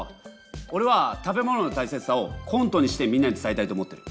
おれは食べ物のたいせつさをコントにしてみんなに伝えたいと思ってる。